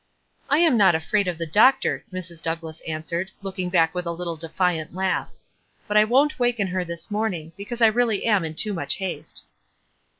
"I'm not afraid of the doctor !" Mrs. Douglass answered, looking back with a little defiant laugh. " But I won't waken her this morning, because I really am in too much haste."